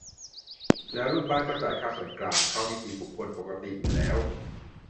แล้วลูกบ้านก็จ่ายค่าส่วนกลางเข้านิติบุคคลเป็นปกติอยู่แล้ว